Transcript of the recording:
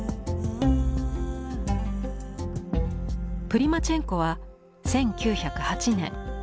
プリマチェンコは１９０８年